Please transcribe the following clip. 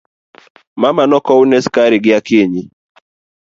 Mama nokowne sukari gi Akinyi.